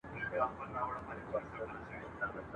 آیا ملاله په دې جګړه کي شهیده سوه؟